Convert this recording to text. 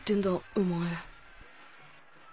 お前。